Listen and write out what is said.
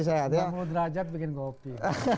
gak perlu derajat bikin kopi